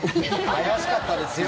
怪しかったですよ。